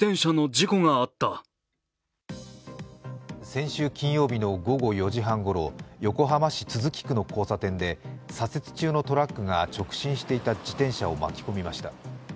先週金曜日の午後４時半ごろ横浜市都筑区の交差点で左折中のトラックが直進していた自転車を巻き込みました。